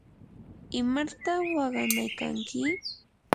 ¿imarta waqanaykanki?